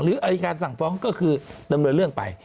อายการสั่งฟ้องก็คือดำเนินเรื่องไป